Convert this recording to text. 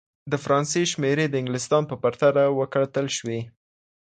د فرانسې شمېرې د انګلستان په پرتله وکتل سوې.